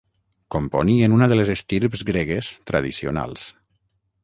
Componien una de les estirps gregues tradicionals.